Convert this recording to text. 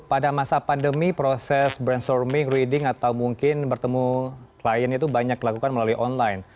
pada masa pandemi proses brainstorming reading atau mungkin bertemu klien itu banyak dilakukan melalui online